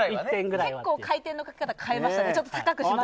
結構回転のかけ方を変えましたね。